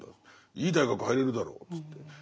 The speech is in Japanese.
「いい大学入れるだろ」っつって。